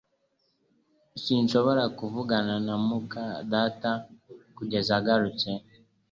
Sinshobora kuvugana na muka data kugeza agarutse